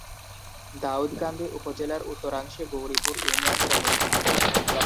দাউদকান্দি উপজেলার উত্তরাংশে গৌরীপুর ইউনিয়নের অবস্থান।